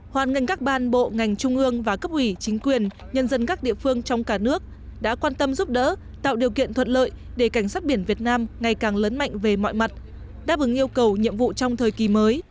hoàn ngành các ban bộ ngành trung ương và cấp ủy chính quyền nhân dân các địa phương trong cả nước đã quan tâm giúp đỡ tạo điều kiện thuận lợi để cảnh sát biển việt nam ngày càng lớn mạnh về mọi mặt đáp ứng yêu cầu nhiệm vụ trong thời kỳ mới